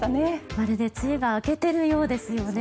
まるで梅雨が明けている感じですよね。